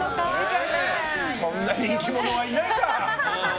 そんな人気者はいないか。